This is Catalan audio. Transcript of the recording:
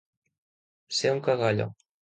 Ser un cagalló.